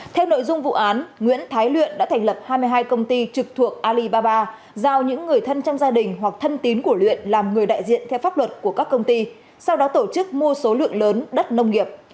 theo nội dung vụ án nguyễn thái luyện đã thành lập hai mươi hai công ty trực thuộc alibaba giao những người thân trong gia đình hoặc thân tín của luyện làm người đại diện theo pháp luật của các công ty sau đó tổ chức mua số lượng lớn đất nông nghiệp